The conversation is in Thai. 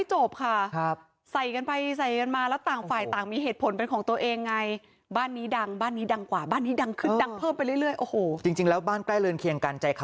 โทรมาติดต่อได้มาติดต่อได้เลย